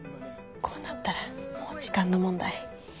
こうなったらもう時間の問題。